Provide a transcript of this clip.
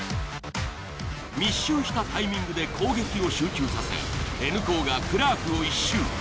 密集したタイミングで攻撃を集中させＮ高がクラークを一蹴。